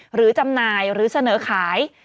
จำหน่ายหรือเสนอขาย